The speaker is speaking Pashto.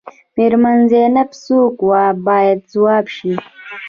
میرمن زینب څوک وه باید ځواب شي.